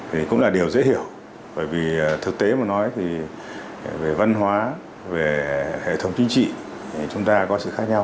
thì cũng là điều dễ hiểu bởi vì thực tế mà nói thì về văn hóa về hệ thống chính trị thì chúng ta có sự khác nhau